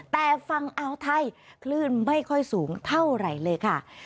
แต่ฝั่งอาวไทยคลื่นไม่ค่อยสูงเท่าไหร่เลยค่ะ